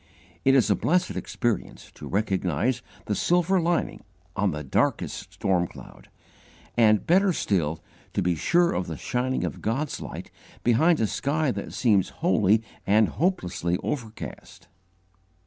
It is a blessed experience to recognize the silver lining on the darkest storm cloud, and, better still, to be sure of the shining of God's light behind a sky that seems wholly and hopelessly overcast.